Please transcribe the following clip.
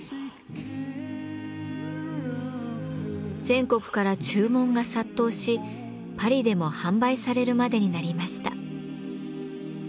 全国から注文が殺到しパリでも販売されるまでになりました。